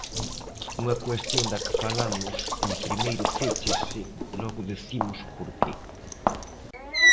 Unha cuestión da que falamos en 'Primeiro féchase, logo dicimos o porqué'.